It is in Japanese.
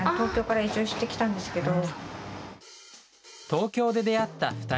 東京で出会った２人。